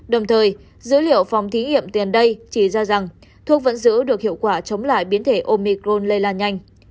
đồng thời dữ liệu phòng thí nghiệm tiền đây chỉ ra rằng thuốc vẫn giữ được hiệu quả chống lại biến thể omicron lây lan nhanh